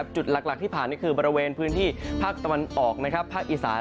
จุดหลักที่ผ่านก็คือบริเวณพื้นที่ภาคตะวันออกภาคอีสาน